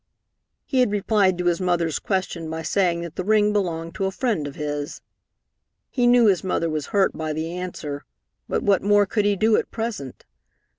He had replied to his mother's question by saying that the ring belonged to a friend of his. He knew his mother was hurt by the answer, but what more could he do at present?